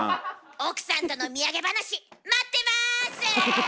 奥さんとの土産話待ってます！